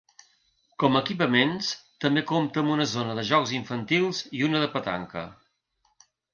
Com a equipaments també compta amb una zona de jocs infantils i una de petanca.